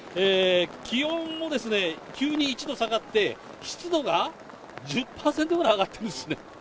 気温も急に１度下がって、湿度が１０％ぐらい上がってるんですね。